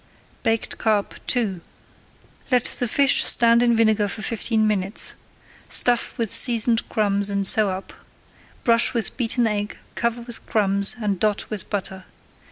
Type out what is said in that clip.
BAKED CARP II Let the fish stand in vinegar for fifteen minutes. Stuff with seasoned crumbs and sew up. Brush with beaten egg, cover with crumbs, and dot with butter.